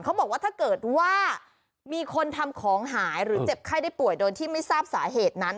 เขาบอกว่าถ้าเกิดว่ามีคนทำของหายหรือเจ็บไข้ได้ป่วยโดยที่ไม่ทราบสาเหตุนั้น